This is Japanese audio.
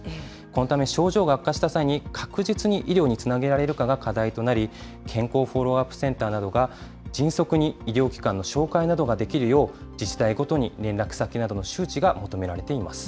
このため、症状が悪化した際に確実に医療につなげられるかが課題となり、健康フォローアップセンターなどが迅速に医療機関の紹介などができるよう、自治体ごとに連絡先などの周知が求められています。